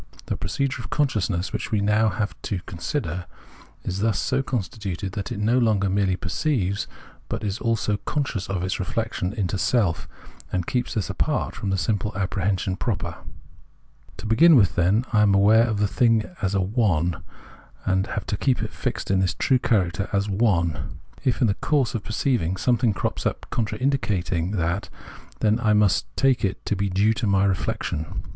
The procedure of consciousness, which we have now to consider, is thus so constituted that it no longer merely perceives, but is also conscious. of its reflection into self, and keeps this apart from the simple apprehension proper. To begin with, then, I am aware of the " thing " as a " one," and have to keep it fixed in this true character as " one." If in the course of perceiving something crops up contradicting that, then I must take it to be due to my reflection.